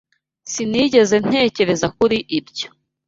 Sinigeze ntekereza kuri ibyo